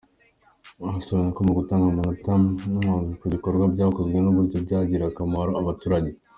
Hasobanuwe ko mu gutanga amanota hibazwe ku bikorwa byakozwe n’uburyo byagiriye akamaro abaturage.